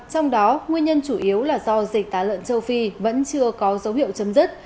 trong đó nguyên nhân chủ yếu là do dịch tả lợn châu phi vẫn chưa có dấu hiệu chấm dứt